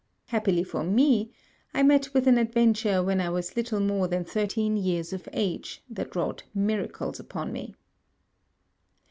Happily for me, I met with an adventure when I was little more than thirteen years of age that wrought miracles upon me.